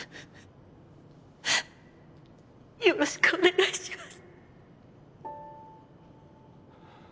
よろしくお願いします。